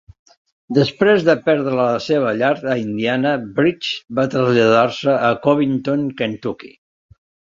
Després de perdre la seva llar a Indiana, Bright va traslladar-se a Covington, Kentucky.